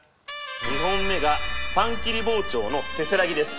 ２本目がパン切り包丁のせせらぎです。